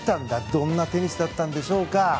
どんなテニスだったんでしょう？